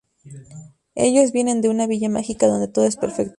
Ellos vienen de una villa mágica donde todo es perfecto.